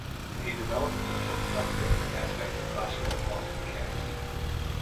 He developed the symplectic aspects of classical and quantum mechanics.